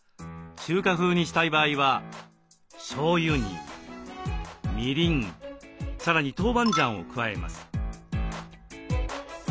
中華風にしたい場合はしょうゆにみりんさらに豆板醤を加えます。